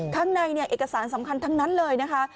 ข้างในเอกสารสำคัญทั้งนั้นเลยนะคะ